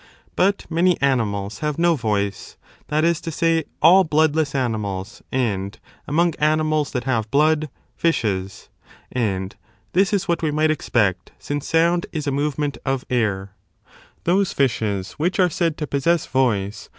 But many animals have no voice: that is to say, all bloodless animals and, among animals that have blood, fishes. And this is what we might expect, since sound is a movement of air. Those fishes which Pitch. Voice.